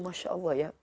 masya allah ya